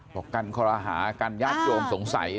บอกกันคอรหากันญาติโยมสงสัย